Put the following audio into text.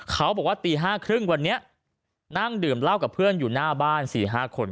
เขาบอกว่าตีห้าครึ่งวันเนี้ยนั่งดื่มเล่ากับเพื่อนอยู่หน้าบ้านสี่ห้าคน